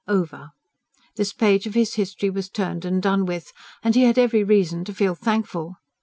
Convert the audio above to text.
Over! This page of his history was turned and done with; and he had every reason to feel thankful.